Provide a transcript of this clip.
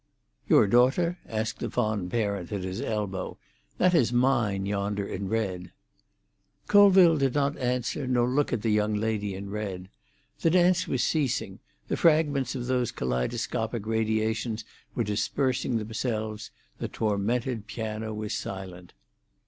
"Your daughter?" asked the fond parent at his elbow. "That is mine yonder in red." Colville did not answer, nor look at the young lady in red. The dance was ceasing; the fragments of those kaleidoscopic radiations were dispersing themselves; the tormented piano was silent.